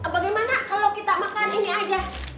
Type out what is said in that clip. bagaimana kalau kita makan ini aja